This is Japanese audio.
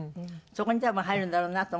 そこに多分入るんだろうなと。